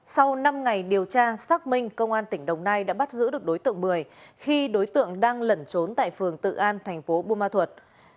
sau năm ngày điều tra xác minh công an tỉnh đồng nai đã bắt giữ được đối tượng mười khi đối tượng đang lẩn trốn tại phường tự an thành phố buôn ma thuật